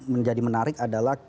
menjadi menarik adalah